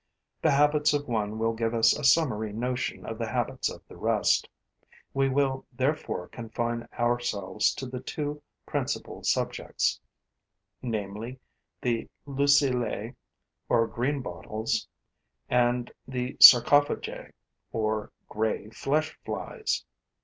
The habits of one will give us a summary notion of the habits of the rest. We will therefore confine ourselves to the two principal subjects, namely, the Luciliae, or greenbottles, and the Sarcophagae, or grey flesh flies.